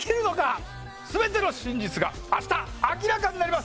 全ての真実が明日明らかになります！